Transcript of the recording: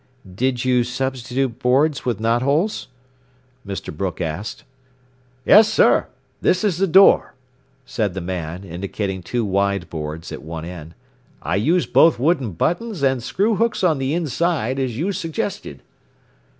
"Did you substitute boards with knot holes?" Mr. Brooke asked. "Yes, sir. And this is the door," said the man, indicating two wide boards at one end. "I used both wooden buttons and screw hooks on the inside, as you suggested."